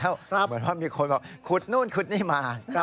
เหมือนว่ามีคนบอกขุดนู่นขุดนี่มา